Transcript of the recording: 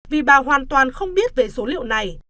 vì bà hoàn toàn không biết về số liệu này